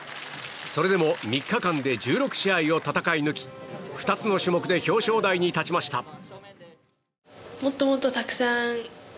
それでも３日間で１６試合を戦い抜き２つの種目で表彰台に立ちました。